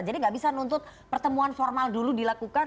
jadi nggak bisa nuntut pertemuan formal dulu dilakukan